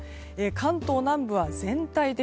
関東南部は全体的。